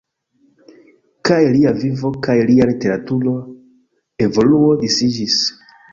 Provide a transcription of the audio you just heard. Kaj lia vivo kaj lia literatura evoluo disiĝis.